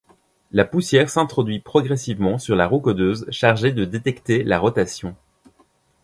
La poussière s'introduit progressivement sur la roue codeuse chargée de détecter la rotation.